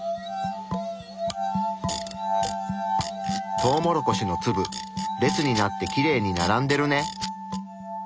トウモロコシの粒列になってきれいに並んでるね。